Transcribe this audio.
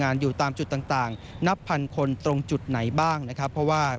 อยู่ตามจุดต่างต่างนับพันคนตรงจุดไหนบ้างนะครับเพราะว่า